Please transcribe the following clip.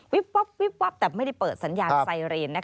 วิบวับแต่ไม่ได้เปิดสัญญาณไซเรน